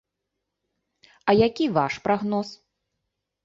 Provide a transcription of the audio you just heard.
А які ваш прагноз?